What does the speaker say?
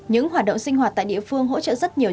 những hoạt động sinh hoạt tại địa phương hỗ trợ rất nhiều